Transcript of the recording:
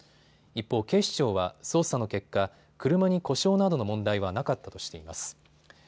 一方、警視庁は捜査の結果、車に故障などの問題はなかったとしています。